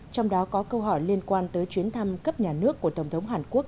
trong đó có câu hỏi liên quan tới chuyến thăm cấp nhà nước của tổng thống hàn quốc